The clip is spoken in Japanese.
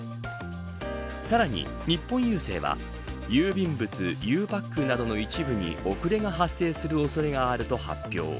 さらに、日本郵政は郵便物ゆうパックなどの一部に遅れが発生する恐れがあると発表。